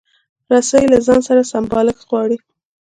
رسۍ له ځان سره سمبالښت غواړي.